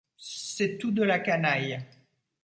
C’est tout de la canaille…